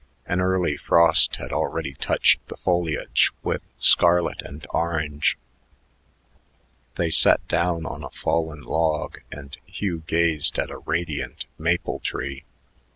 An early frost had already touched the foliage with scarlet and orange. They sat down on a fallen log, and Hugh gazed at a radiant maple tree.